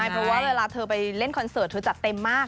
เพราะว่าเวลาเธอไปเล่นคอนเสิร์ตเธอจัดเต็มมาก